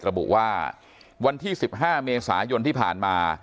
ระบุว่าวันที่๑๕เมษายนที่ผ่านมา